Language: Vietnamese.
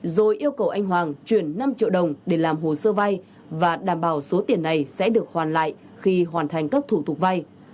rồi yêu cầu anh hoàng chuyển năm triệu đồng để làm hồ sơ vay và đảm bảo số tiền này sẽ được hoàn lại khi hoàn thành các thủ tục vay